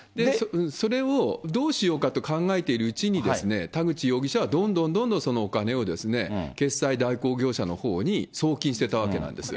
それをどうしようかと考えているうちに、田口容疑者はどんどんどんどんそのお金を決済代行業者のほうに送金してたわけなんです。